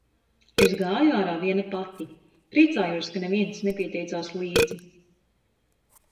Es gāju ārā viena pati. Priecājos, ka neviens nepieteicās līdzi.